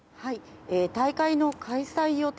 大会の開催予定